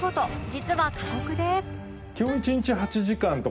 実は過酷で